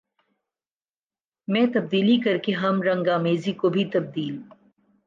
میں تبدیلی کر کے ہم رنگ آمیزی کو بھی تبدیل